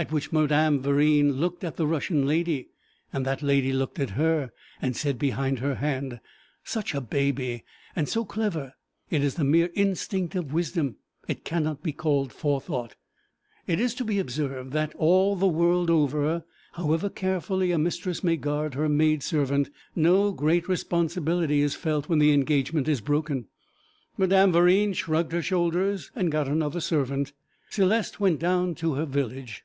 At which Madame Verine looked at the Russian lady, and that lady looked at her, and said behind her hand, 'Such a baby, and so clever! It is the mere instinct of wisdom; it cannot be called forethought.' It is to be observed that, all the world over, however carefully a mistress may guard her maid servant, no great responsibility is felt when the engagement is broken. Madame Verine shrugged her shoulders and got another servant. Céleste went down to her village.